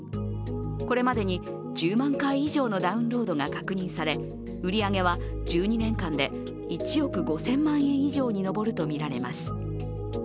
これまでに１０万回以上のダウンロードが確認され売り上げは１２年間で１億５０００万円以上に上るとみられます。